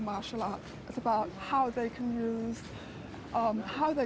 tapi tentang cara mereka menggunakan